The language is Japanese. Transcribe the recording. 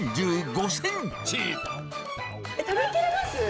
食べきれます？